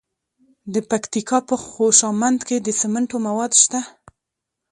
د پکتیکا په خوشامند کې د سمنټو مواد شته.